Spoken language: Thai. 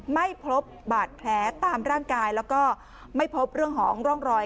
ไม่พบบาดแผลตามร่างกายแล้วก็ไม่พบเรื่องของร่องรอย